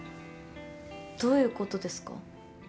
どういうことですか？